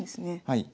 はい。